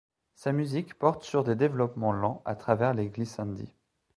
Sa musique porte sur des développements lents à travers les glissandi.